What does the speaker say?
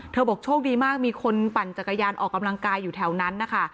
บอกโชคดีมากมีคนปั่นจักรยานออกกำลังกายอยู่แถวนั้นนะคะ